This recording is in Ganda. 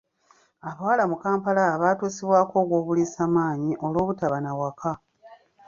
Abawala mu Kampala baatuusibwako ogw'obuliisamaanyi olw'obutaba na waka.